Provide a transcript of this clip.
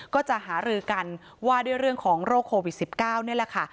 ก็จะหารือกันว่าด้วยเรื่องของโรคโควิด๑๙นี่แหละค่ะ